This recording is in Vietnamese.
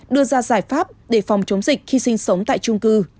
đưa ra giải pháp để phòng chống dịch khi sinh sống tại trung cư